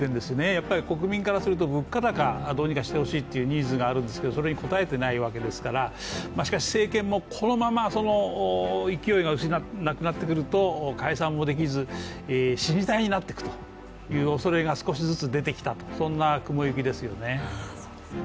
やっぱり国民からすると物価高をどうにかしてほしいというニーズがあるのにそれに応えてないわけですからしかし政権もこのまま勢いがなくなってくると解散もできず、死に体になっていくというおそれが少しずつ出てきた、そんな雲行きですよね。